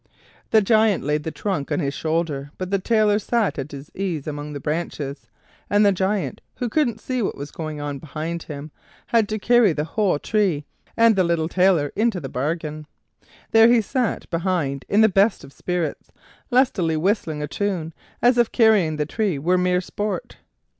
The Giant laid the trunk on his shoulder, but the Tailor sat at his ease among the branches; and the Giant, who couldn't see what was going on behind him, had to carry the whole tree, and the little Tailor into the bargain. There he sat behind in the best of spirits, lustily whistling a tune, as if carrying the tree were mere sport.